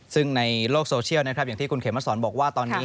ซึ่งในโลกโซเชียลนะครับอย่างที่คุณเขมสอนบอกว่าตอนนี้